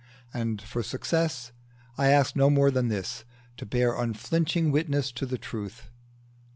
And, for success, I ask no more than this, To bear unflinching witness to the truth.